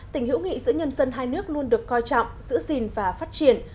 tình hữu nghị giữa nhân dân hai nước luôn được coi trọng giữ gìn và phát triển